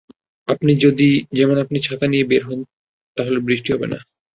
যেমন আপনি যদি ছাতা নিয়ে বের হন, তাহলে বৃষ্টি হবে না।